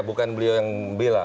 bukan beliau yang bilang